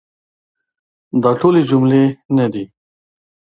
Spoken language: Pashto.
دا ټولي جملې نه دي .